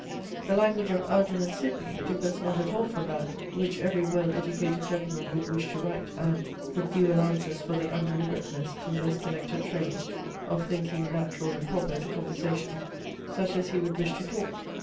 The language of Algernon Sidney differs not at all from that, which every well educated gentleman would wish to write, and (with due allowances for the undeliberateness, and less connected train, of thinking natural and proper to conversation) such as he would wish to talk.